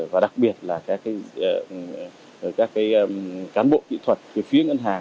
và đặc biệt là các cái cán bộ kỹ thuật phía ngân hàng